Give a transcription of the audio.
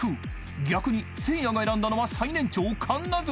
［逆にせいやが選んだのは最年長神奈月］